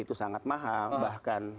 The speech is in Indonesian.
itu sangat mahal bahkan